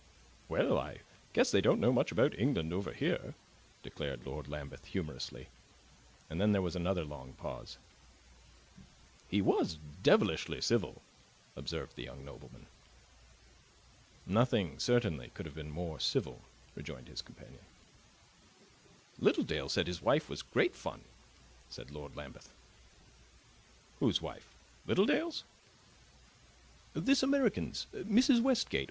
"Well, I guess they don't know much about England over here!" declared Lord Lambeth humorously. And then there was another long pause. "He was devilish civil," observed the young nobleman. "Nothing, certainly, could have been more civil," rejoined his companion. "Littledale said his wife was great fun," said Lord Lambeth. "Whose wife Littledale's?" "This American's Mrs. Westgate.